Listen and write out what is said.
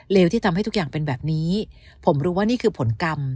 ที่ทำให้ทุกอย่างเป็นแบบนี้ผมรู้ว่านี่คือผลกรรม